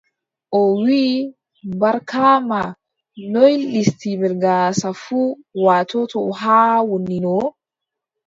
O wii, Barkaama, noy listibel gaasa fuu waatoto haa wonino?